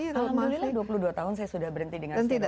alhamdulillah dua puluh dua tahun saya sudah berhenti dengan sini